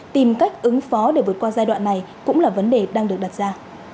tìm cách ứng phó để vượt qua giai đoạn này cũng là vấn đề đang được đặt ra